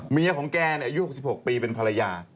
เมียของแกอายุ๖๖ปีเป็นภรรยา